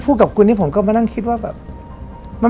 พูดกับคุณผมก็มานั่งคิดว่า